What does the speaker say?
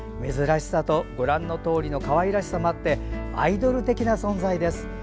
珍しさと、ご覧のとおりのかわいらしさもあってアイドル的な存在です。